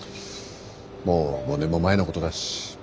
もう５年も前のことだし。